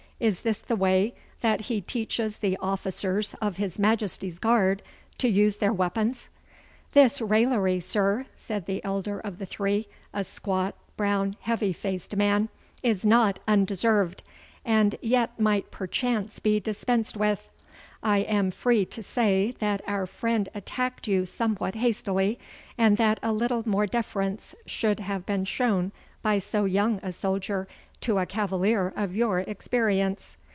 Is this the way that he teaches the officers of his Majesty's guard to use their weapons?' 'This raillery, sir,' said the elder of the three, a squat, brown, heavy faced man, 'is not undeserved, and yet might perchance be dispensed with. I am free to say that our friend attacked you somewhat hastily, and that a little more deference should have been shown by so young a soldier to a cavalier of your experience.